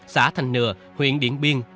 xã thành nừa huyện điện biên